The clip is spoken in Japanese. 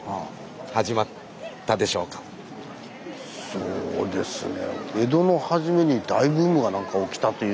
そうですね